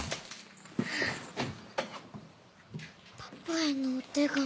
パパへのお手紙。